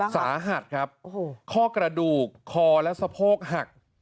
สาหัสครับข้อกระดูกคอและสะโพกหัก